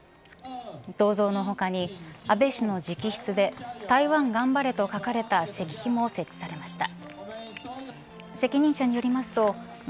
銅像の他に、安倍氏の直筆で台湾頑張れと書かれた石碑も設置されました。